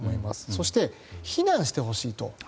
そして、避難してほしいと。